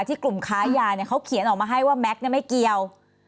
กลุ่มค้ายาเขาเขียนออกมาให้ว่าแม็กซ์ไม่เกี่ยว